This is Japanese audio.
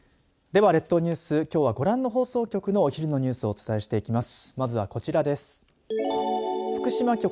では、列島ニュース、きょうはご覧の放送局のお昼のニュースをお伝えしていきます。